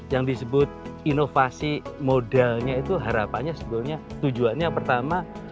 yang disebut inovasi modalnya itu harapannya sebetulnya tujuannya pertama